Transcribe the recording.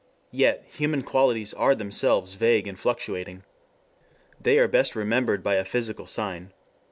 Yet human qualities are themselves vague and fluctuating. They are best remembered by a physical sign.